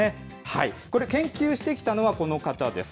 これ、研究してきたのは、この方です。